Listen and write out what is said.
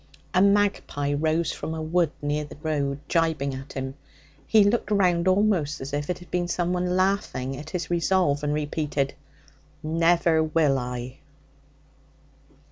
A magpie rose from a wood near the road, jibing at him. He looked round almost as if it had been someone laughing at his resolve, and repeated, 'Never will I!'